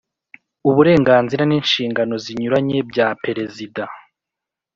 uburenganzira n’inshingano zinyuranye bya Perezida